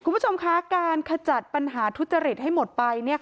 คุณผู้ชมคะการขจัดปัญหาทุจริตให้หมดไป